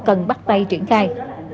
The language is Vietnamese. cần bắt tay triển khai